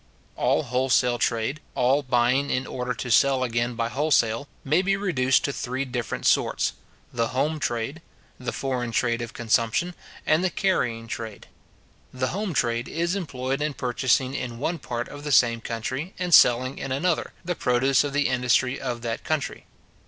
All wholesale trade, all buying in order to sell again by wholesale, maybe reduced to three different sorts: the home trade, the foreign trade of consumption, and the carrying trade. The home trade is employed in purchasing in one part of the same country, and selling in another, the produce of the industry of that country.